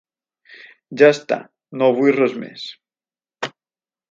Ja està, no vull res més.